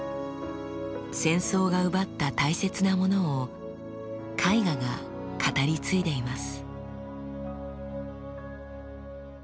戦争が奪った大切なものを絵画が語り継いでいます。